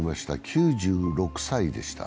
９６歳でした。